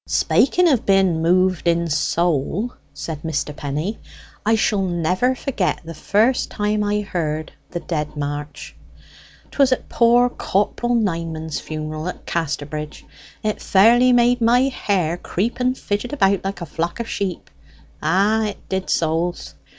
"Spaking of being moved in soul," said Mr. Penny, "I shall never forget the first time I heard the 'Dead March.' 'Twas at poor Corp'l Nineman's funeral at Casterbridge. It fairly made my hair creep and fidget about like a vlock of sheep ah, it did, souls!